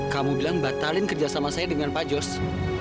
kamu bilang batalin kerja sama saya dengan pak josh